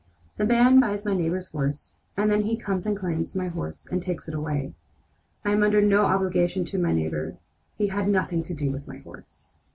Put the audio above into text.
The man buys my neighbor's horse, and then he comes and claims my horse and takes it away. I am under no obligation to my neighbor. He had nothing to do with my horse."